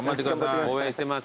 応援してます。